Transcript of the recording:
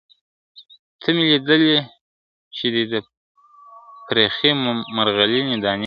ته مي لیدې چي دي د پرخي مرغلیني دانې !.